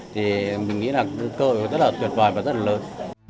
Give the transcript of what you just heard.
thì mình nghĩ là cơ hội rất là tuyệt vời và rất là lớn